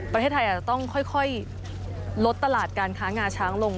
ประเทศไทยอาจจะต้องค่อยลดตลาดการค้างาช้างลง